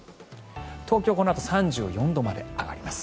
東京、このあと３４度まで上がります。